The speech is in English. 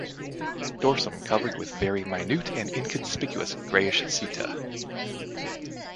Dorsum covered with very minute and inconspicuous greyish setae.